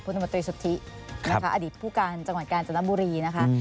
พุทธแม่นมตรีสุธิอดีตผู้การกาญจนบุรีนะคะ